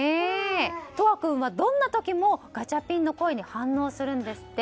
澄和君はどんな時もガチャピンの声に反応するんですって。